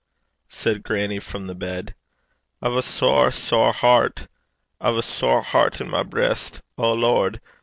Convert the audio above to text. said grannie from the bed. 'I've a sair, sair hert. I've a sair hert i' my breist, O Lord!